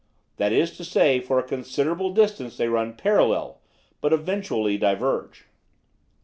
That is to say, for a considerable distance they run parallel, but eventually diverge.